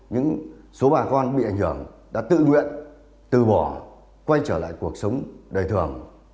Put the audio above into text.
những số bà con bị ảnh hưởng đã tự nguyện từ bỏ quay trở lại cuộc sống đời thường